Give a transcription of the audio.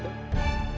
bang haji yabanin